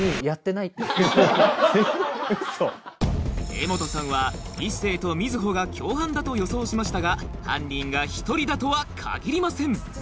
柄本さんは一星と瑞穂が共犯だと予想しましたが犯人が１人だとは限りません